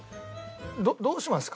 「どうします」。